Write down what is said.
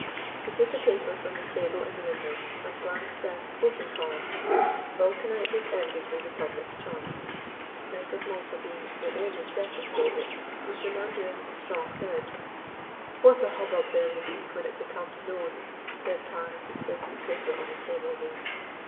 He took a paper from the table in the window, and glanced down the sporting column. Vulcanite was evidently the public's choice, Knight of Malta being the only second favorite, with The Mandarin a strong third. "What a hubbub there will be when it becomes known," said Carne, as he placed the paper on the table again.